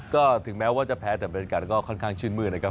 ก็ถึงแม้ว่าจะแพ้แต่บรรยากาศก็ค่อนข้างชื่นมืดนะครับ